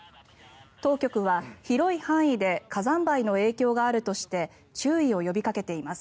当局は広い範囲で火山灰の影響があるとして注意を呼びかけています。